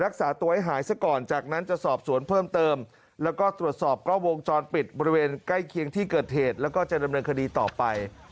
ก็จะเริ่มเริ่มคดีต่อไป